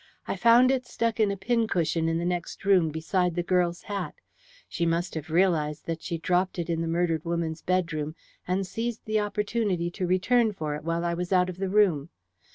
I found it stuck in a pincushion in the next room, beside the girl's hat. She must have realized that she dropped it in the murdered woman's bedroom, and seized the opportunity to return for it while I was out of the room.